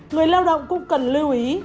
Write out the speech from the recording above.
người lao động cũng cần lưu ý